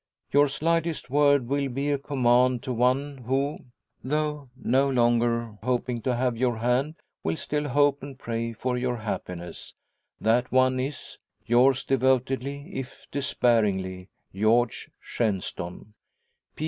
Your slightest word will be a command to one who, though no longer hoping to have your hand, will still hope and pray for your happiness. That one is, "Yours devotedly, if despairingly, "George Shenstone.